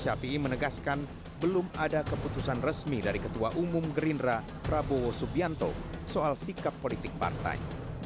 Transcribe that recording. syafii ⁇ menegaskan belum ada keputusan resmi dari ketua umum gerindra prabowo subianto soal sikap politik partai